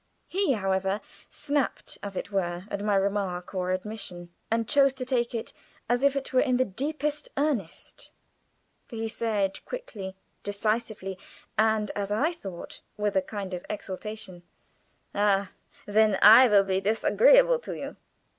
He, however, snapped, as it were, at my remark or admission, and chose to take it as if it were in the deepest earnest; for he said, quickly, decisively, and, as I thought, with a kind of exultation: "Ah, then I will be disagreeable to you."